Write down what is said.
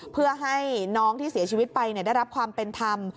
เพื่อให้น้องที่เสียชีวิตไปได้รับความเป็นธรรม